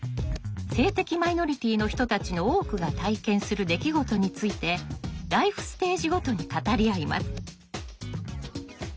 性的マイノリティーの人たちの多くが体験する出来事についてライフステージごとに語り合います。